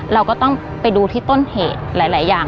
เราก็ต้องไปดูที่ต้นเหตุหลายอย่าง